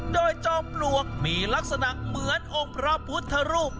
โดยจอมปลวกมีลักษณะเหมือนองค์พระพุทธรูป